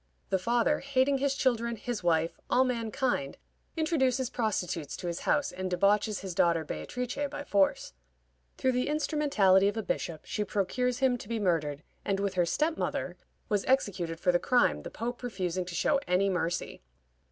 The father, hating his children, his wife, all mankind, introduces prostitutes to his house, and debauches his daughter Beatrice by force. Through the instrumentality of a bishop she procures him to be murdered, and, with her step mother, was executed for the crime, the Pope refusing to show any mercy.